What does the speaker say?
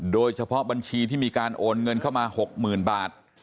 โดยเฉพาะบัญชีที่มีการโอนเงินเข้ามา๖๐๐๐บาท